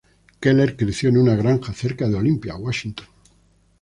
Keller creció en una granja cerca de Olympia, Washington.